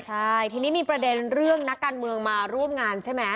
ใช่ทีนี้มีประเด็นเรื่องนักการเมืองมาร่วมงานใช่ไหม